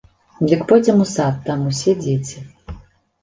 Дык пойдзем у сад, там усе дзеці.